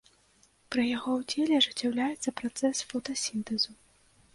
Пры яго ўдзеле ажыццяўляецца працэс фотасінтэзу.